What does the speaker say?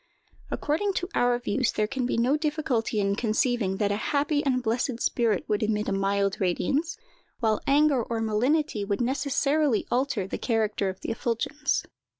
According to our views, there can be no difficulty in conceiving that a happy and blessed spirit would emit a mild radiance; while anger or malignity would necessarily alter the character of the effulgence.